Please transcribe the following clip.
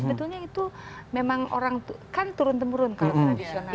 sebetulnya itu memang orang kan turun temurun kalau tradisional